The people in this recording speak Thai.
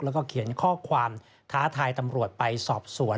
แล้วก็เขียนข้อความท้าทายตำรวจไปสอบสวน